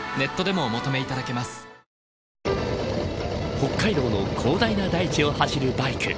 北海道の広大な大地を走るバイク。